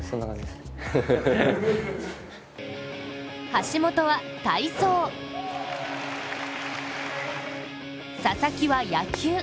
橋本は体操、佐々木は野球。